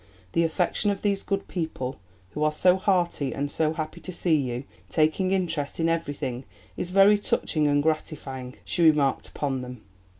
"The affection of these good people, who are so hearty and so happy to see you, taking interest in everything, is very touching and gratifying," she remarked upon them.